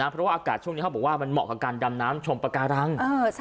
เพราะว่าอากาศช่วงนี้เขาบอกว่ามันเหมาะกับการดำน้ำชมปากการัง